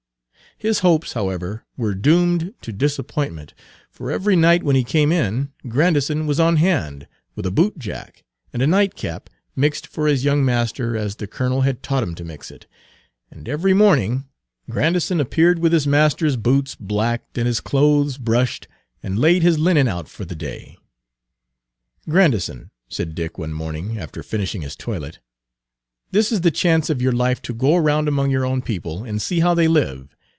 His hopes, however, were doomed to disappointment, for every night when he came in Grandison was on hand with a bootjack, and a nightcap mixed for his young master as the colonel had taught him to mix it, and every morning Grandison Page 185 appeared with his master's boots blacked and his clothes brushed, and laid his linen out for the day. "Grandison," said Dick one morning, after finishing his toilet, "this is the chance of your life to go around among your own people and see how they live.